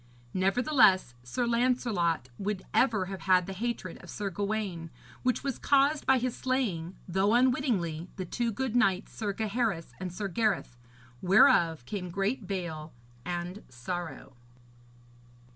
Nevertheless, Sir Lancelot would ever have had the hatred of Sir Gawaine, which was caused by his slaying, though unwittingly, the two good knights, Sir Gaheris and Sir Gareth; whereof came great bale and sorrow.